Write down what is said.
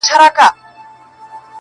• چي څه ګټم هغه د وچي ډوډۍ نه بسیږي -